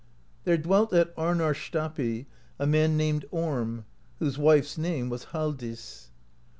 There dwelt at Amarstapi a man named Orm, whose wife's name was Halldis.